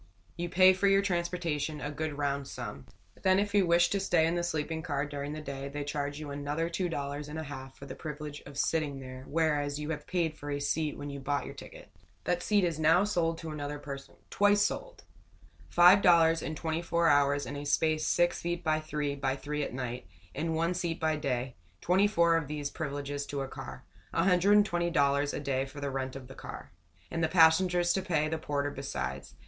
You pay for your transportation, a good round sum. Then if you wish to stay in the sleeping car during the day, they charge you another two dollars and a half for the privilege of sitting there, whereas you have paid for a seat when you bought your ticket. That seat is now sold to another person twice sold! Five dollars for twenty four hours in a space six feet by three by three at night, and one seat by day; twenty four of these privileges to a car $120 a day for the rent of the car and the passengers to pay the porter besides.